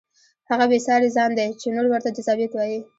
هغه بې ساري ځان دی چې نور ورته جذابیت وایي.